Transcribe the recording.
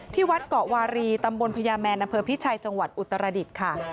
ที่วัดเกาะวารีตำบลพญาแมนอำเภอพิชัยจังหวัดอุตรดิษฐ์ค่ะ